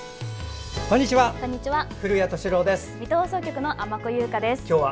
こんにちは。